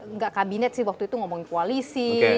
enggak kabinet sih waktu itu ngomongin koalisi gitu ya